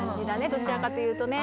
どちらかというと。